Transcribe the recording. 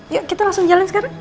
yuk kita langsung jalan sekarang